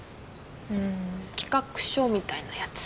うん企画書みたいなやつ。